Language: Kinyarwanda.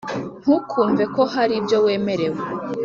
ntukumve ko hari ibyo wemerewe